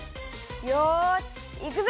よしいくぞ！